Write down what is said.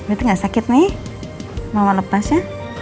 itu enggak sakit nih mama lepasnya